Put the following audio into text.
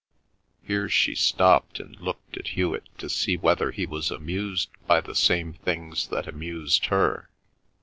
Here she stopped and looked at Hewet to see whether he was amused by the same things that amused her.